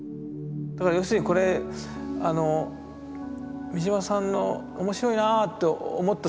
だから要するにこれ三島さんの面白いなと思った３０年の蓄積。